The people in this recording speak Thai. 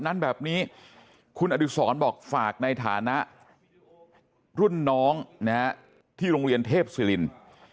นั้นแบบนี้คุณอดิษรบอกฝากในฐานะรุ่นน้องที่โรงเรียนเทพศิรินทร์